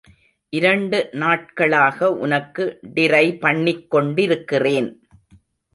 இரண்டு நாட்களாக உனக்கு டிரை பண்ணிக் கொண்டிருக்கிறேன்.